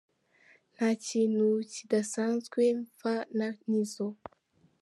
Ati “Nta kintu kidasanzwe mfa na Nizzo.